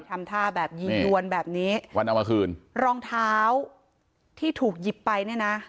ทำท่าแบบยิงดวนแบบนี้วันเอามาคืนรองเท้าที่ถูกหยิบไปเนี่ยนะ